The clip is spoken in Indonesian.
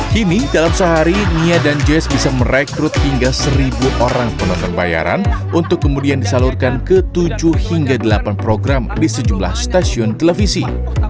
kini dalam sehari nia dan jazz bisa merekrut hingga seribu orang penonton bayaran untuk kemudian disalurkan ke tujuh hingga delapan program di sejumlah stasiun televisi